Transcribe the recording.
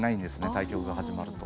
対局が始まると。